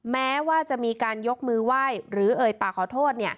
แม้ว่าจะมีการยกมือไหว้หรือเอ่ยปากขอโทษ